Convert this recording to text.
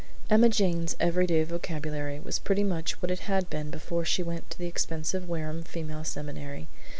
Emma Jane's every day vocabulary was pretty much what it had been before she went to the expensive Wareham Female Seminary.